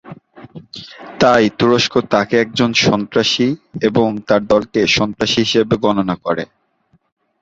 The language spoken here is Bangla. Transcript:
তাই তুরস্ক তাকে একজন সন্ত্রাসী এবং তার দলকে সন্ত্রাসী হিসাবে গণনা করে।